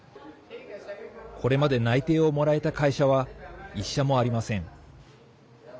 これまで内定をもらえた会社は１社もありません。